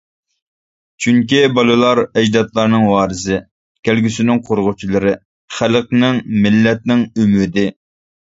چۈنكى بالىلار ئەجدادلارنىڭ ۋارىسى، كەلگۈسىنىڭ قۇرغۇچىلىرى، خەلقنىڭ مىللەتنىڭ ئۈمىدى.